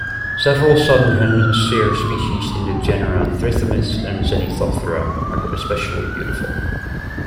Several Southern Hemisphere species in the genera "Trithemis" and "Zenithoptera" are especially beautiful.